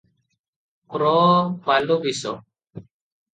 ପ୍ର - ବାଲୁବିଶ ।